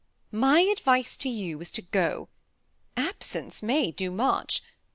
My advice to you is,, to go ; absence may do much.